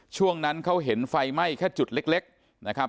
ช่วงนั้นเขาเห็นไฟไหม้แค่จุดเล็กนะครับ